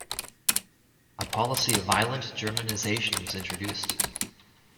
A policy of violent Germanization was introduced.